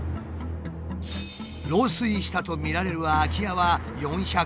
漏水したとみられる空き家は４００戸以上。